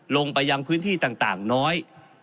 ลงไปยังพื้นที่ต่างน้อย